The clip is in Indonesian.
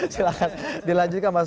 silahkan dilanjutkan mas